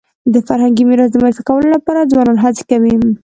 د فرهنګي میراث د معرفي کولو لپاره ځوانان هڅي کوي.